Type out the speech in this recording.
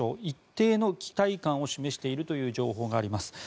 一定の期待感を示しているという情報があります。